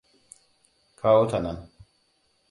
Kawo ta nan.